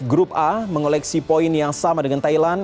grup a mengoleksi poin yang sama dengan thailand